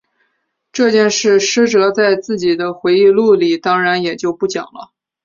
这件事师哲在自己的回忆录里当然也就不讲了。